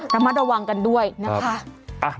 ระมัดระวังกันด้วยนะคะ